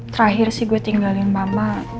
terakhir sih gue tinggalin mama